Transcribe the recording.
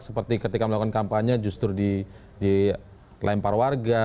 seperti ketika melakukan kampanye justru dilempar warga